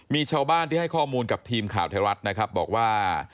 มีชาวบ้านที่ให้ข้อมูลกับทีมข่าวไทยรัฐนะครับบอกว่า